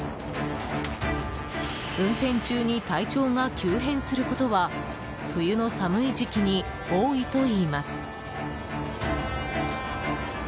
運転中に体調が急変することは冬の寒い時期に多いといいます。